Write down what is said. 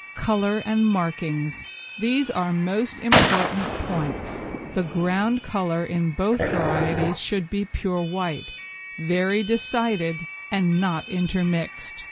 COLOUR AND MARKINGS These are most important points. The ground colour in both varieties should be pure white, very decided, and not intermixed.